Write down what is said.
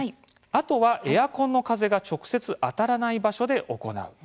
あとはエアコンの風が直接当たらない場所で行う。